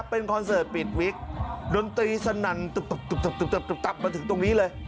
เป็นคอนเสิร์ตปิดวิกดนตรีสนั่นมาถึงตรงนี้เลย